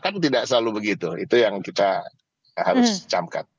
kan tidak selalu begitu itu yang kita harus camkat